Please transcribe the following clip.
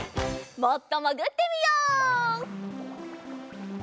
もっともぐってみよう。